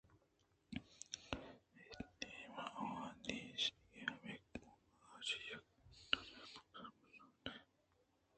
اے دمان ءَ آوان دیست کہ ہمے کمکاراں چہ یکے نان ءِ ٹیبل ءِ سرا شکون اِنت ءُواب کپتگ